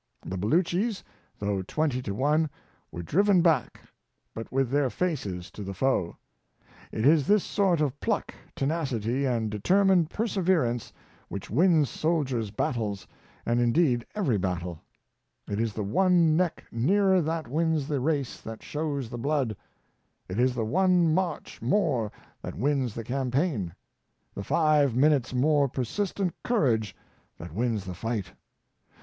The Beloochees, though twenty to one, were driven back, but with their faces to the foe. It is this sort of pluck, tenacity, aud determined perseverance which wins soldiers' battles, and„ indeed, every battle It is the one neck nearer that wins the race and shows the blood, rt is the one march more that wins the cam paign; the five minutes' more persistent courage that wins the fight.